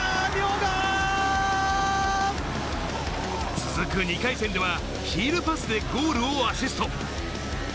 続く２回戦ではヒールパスでゴールをアシスト。